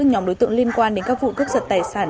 nhóm đối tượng liên quan đến các vụ cướp giật tài sản